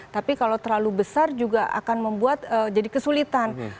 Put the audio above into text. tapi kalau terlalu besar juga akan membuat jadi kesulitan